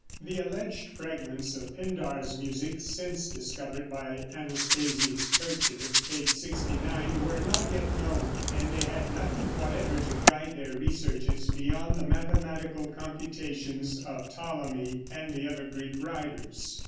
The alleged fragments of Pindar's music since discovered by Athanasius Kircher (p. 69) were not yet known, and they had nothing whatever to guide their researches beyond the mathematical computations of Ptolemy and the other Greek writers.